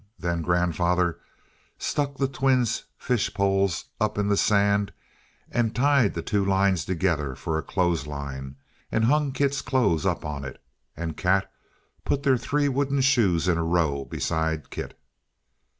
Then grandfather stuck the twins' fish poles up in the sand and tied the two lines together for a clothes line, and hung Kit's clothes up on it, and Kat put their three wooden shoes in a row beside Kit.